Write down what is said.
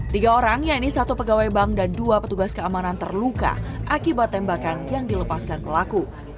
tiga orang yaitu satu pegawai bank dan dua petugas keamanan terluka akibat tembakan yang dilepaskan pelaku